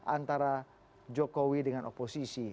antara jokowi dengan oposisi